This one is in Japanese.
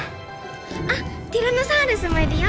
あっティラノサウルスもいるよ！